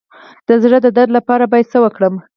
د زړه د درد لپاره باید څه وکړم؟